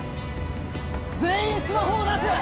全員スマホを出せ！